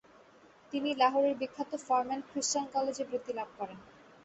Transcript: তিনি লাহোর এর বিখ্যাত ফরম্যান খৃস্টান কলেজে বৃত্তি লাভ করেন।